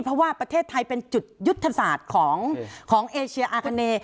เพราะว่าประเทศไทยเป็นจุดยุทธศาสตร์ของเอเชียอาคาเน